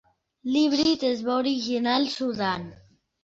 L'híbrid es va originar al Sudan.